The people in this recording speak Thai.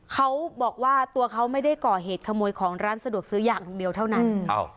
เขาบอกว่าตัวเขาไม่ได้ก่อเหตุขโมยของร้านสะดวกซื้ออย่างเดียวเท่านั้น